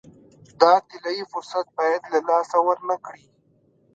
دا طلایي فرصت باید له لاسه ورنه کړي.